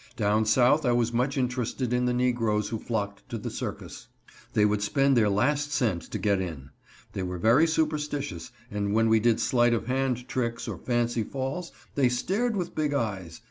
Down South I was much interested in the negroes who flocked to the circus. They would spend their last cent to get in. They were very superstitious, and when we did sleight of hand tricks or fancy falls, they stared with big eyes.